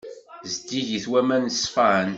Zeddigit waman ṣṣfan.